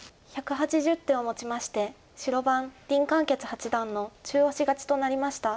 １８０手をもちまして白番林漢傑八段の中押し勝ちとなりました。